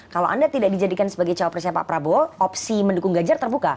kalau anda tidak dijadikan sebagai cawapresnya pak prabowo opsi mendukung ganjar terbuka